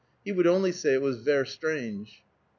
He would only say it was "ver strange."